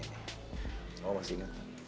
kamu masih ingat